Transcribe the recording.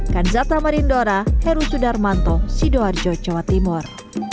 kanzata marindora heru sudarmanto sidoarjo jawa timur